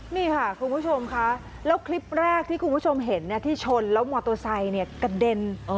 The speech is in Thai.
นี่ค่ะคุณผู้ชมค่ะแล้วคลิปแรกที่คุณผู้ชมเห็นที่ชนแล้วมอเตอร์ไซค์กระเด็น